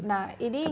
nah ini enggak